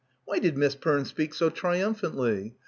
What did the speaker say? Why did Miss Perne speak so trium phantly?